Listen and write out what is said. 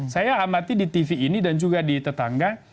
saya amati di tv ini dan juga di tetangga